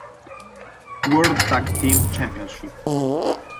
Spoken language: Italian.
World Tag Team Championship